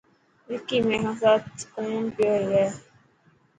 وڪي مين کان سات ڪونه پيو ڪري.